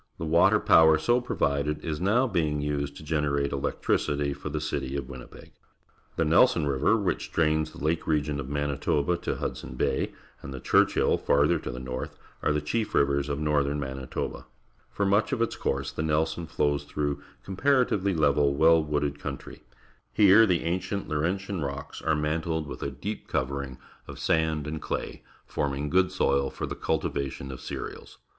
The water power so provided is now being used to generate electricitj' for the citj' of Winnipeg. The Nelson River, wliich drains the lake region oT3Ianitoba to Hudson Bay, and the Churchill, farther to the north, are the chief rivers of northern Manitoba. For much of its Branding Cattle on the Range, Alberta The ranges are not now so extensive as they once were. course the Nelson flows through comparative ly level, well wooded country. Here the an cient Laurentian rocks are mantled with a deep covering of sand and claj', forming a good soil for the cultivation of cereals.